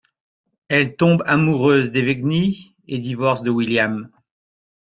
Elle tombe amoureuse d'Evegni et divorce de William.